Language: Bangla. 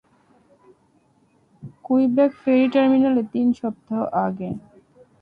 কুইবেক ফেরি টার্মিনালে তিন সপ্তাহ আগে।